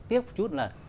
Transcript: tiếc chút là